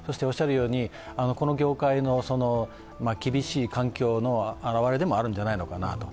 そして、この業界の厳しい環境の表れでもあるんじゃないかなと。